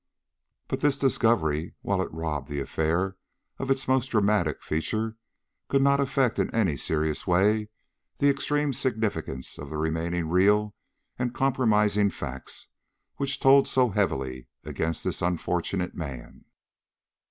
But this discovery, while it robbed the affair of its most dramatic feature, could not affect in any serious way the extreme significance of the remaining real and compromising facts which told so heavily against this unfortunate man.